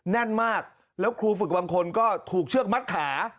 แน่นมากแล้วครูฝึกบางคนก็ถูกเชือกมัดขา